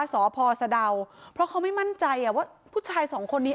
สพสะดาวเพราะเขาไม่มั่นใจว่าผู้ชายสองคนนี้